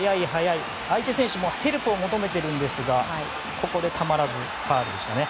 相手選手もヘルプを求めているんですがここでたまらずファウルでした。